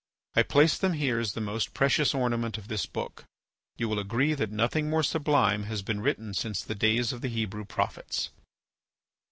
I place them here as the most precious ornament of this book. You will agree that nothing more sublime has been written since the days of the Hebrew prophets.